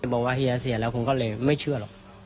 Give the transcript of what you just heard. บอกว่าเฮียเสียแล้วผมก็เลยไม่เชื่อหรอก